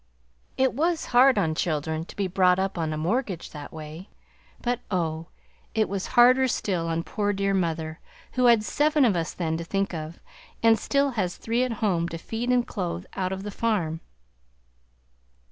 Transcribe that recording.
It was hard on children to be brought up on a mortgage that way, but oh! it was harder still on poor dear mother, who had seven of us then to think of, and still has three at home to feed and clothe out of the farm.